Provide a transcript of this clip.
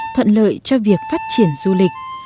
thuận lợi cho việc phát triển du lịch